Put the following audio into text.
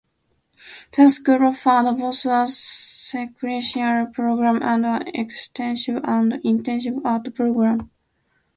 The school offered both a secretarial program and an extensive and intensive art program.